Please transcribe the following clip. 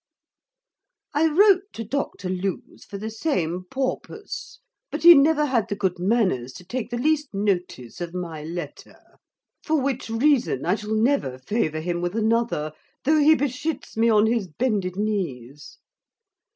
I wrote to doctor Lews for the same porpuss, but he never had the good manners to take the least notice of my letter; for which reason, I shall never favour him with another, though he beshits me on his bended knees.